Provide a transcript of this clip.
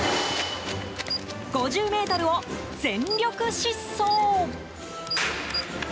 ５０ｍを全力疾走。